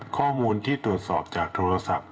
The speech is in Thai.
ข้อมูลที่ตรวจสอบจากโทรศัพท์